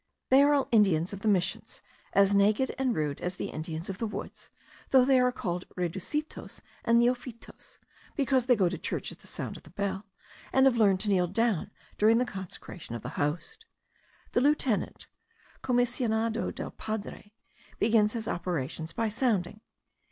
They are all Indians of Missions, as naked and rude as the Indians of the woods; though they are called reducidos and neofitos, because they go to church at the sound of the bell, and have learned to kneel down during the consecration of the host. The lieutenant (commissionado del Padre) begins his operations by sounding.